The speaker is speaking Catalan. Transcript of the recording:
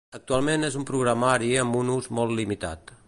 Actualment és un programari amb un ús molt limitat.